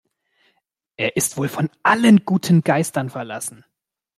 Er ist wohl von allen guten Geistern verlassen.